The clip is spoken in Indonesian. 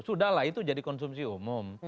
sudahlah itu jadi konsumsi umum